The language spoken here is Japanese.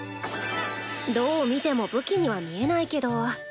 どう見ても武器には見えないけど。